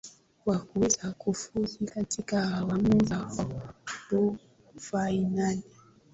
ya kuweza kufuzu katika awamu za robo fainali